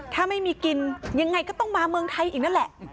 ถ้าไม่มีกินยังไงก็ต้องมาเมืองไทยอีกนั่นแหละ